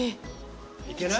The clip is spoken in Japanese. いけない？